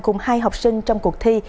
cùng hai học sinh trong cuộc thi